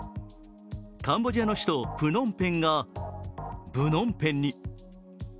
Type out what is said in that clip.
カンボジアの首都「プノンペン」が「ブノンペン」に。